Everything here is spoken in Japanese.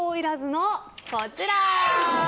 の、こちら。